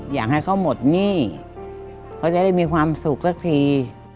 อยากให้เขาหมดหนี้เขาจะได้มีความสุขสักที